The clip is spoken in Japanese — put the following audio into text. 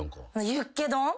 ユッケ丼。